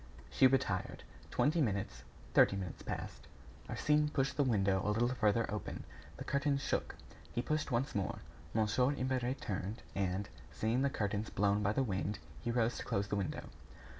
She retired. Twenty minutes, thirty minutes passed. Arsène pushed the window a little farther open. The curtains shook. He pushed once more. Mon. Imbert turned, and, seeing the curtains blown by the wind, he rose to close the window.